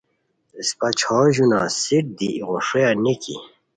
اسپہ چھور ژونان سیٹ دی ایغو ݰویہ نِکی۔